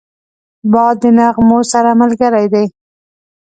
باد د نغمو سره ملګری دی